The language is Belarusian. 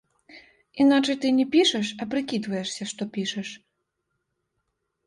Іначай ты не пішаш, а прыкідваешся, што пішаш.